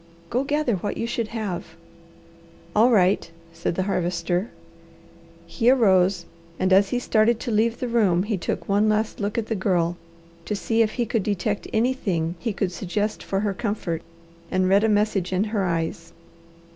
Go gather what you should have." "All right," said the Harvester. He arose and as he started to leave the room he took one last look at the Girl to see if he could detect anything he could suggest for her comfort, and read a message in her eyes.